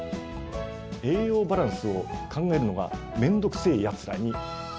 「栄養バランスを考えるのが、めんどくせぇヤツらに！」。